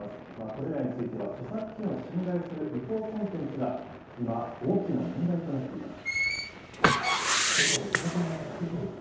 これらについては著作権を侵害する違法コンテンツが今、大きな問題となっています。